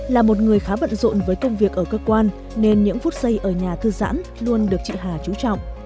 là một người khá bận rộn với công việc ở cơ quan nên những phút giây ở nhà thư giãn luôn được chị hà trú trọng